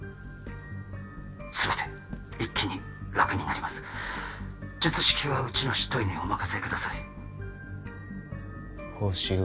全て一気に楽になります術式はうちの執刀医にお任せください報酬は？